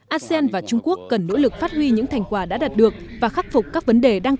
asean và trung quốc cần nỗ lực phát huy những thành quả đã đạt được và khắc phục các vấn đề đang